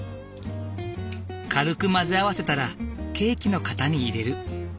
軽く混ぜ合わせたらケーキの型に入れる。